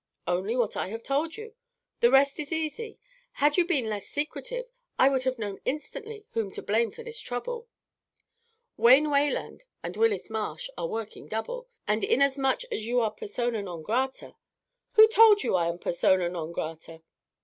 "Only what I have told you. The rest is easy. Had you been less secretive, I would have known instantly whom to blame for this trouble. Wayne Wayland and Willis Marsh are working double, and inasmuch as you are persona non grata " "Who told you I am _persona non grata?"